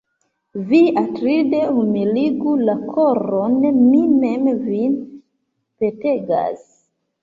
Vi, Atrid', humiligu la koron, mi mem vin petegas.